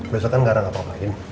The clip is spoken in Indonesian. besok kan gak ada ngapa ngapain